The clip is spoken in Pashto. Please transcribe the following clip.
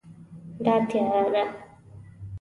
دا تیاره ده